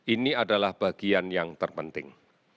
ini adalah bagian yang terpenting